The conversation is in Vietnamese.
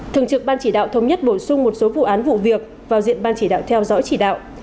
thường trực ban chỉ đạo thống nhất bổ sung một số vụ án vụ việc vào diện ban chỉ đạo theo dõi chỉ đạo